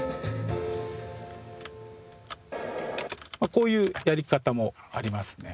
こういうやり方もありますね。